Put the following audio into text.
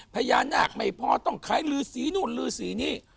พญานาคไม่พอต้องขายลือสีนู่นลือสีนี่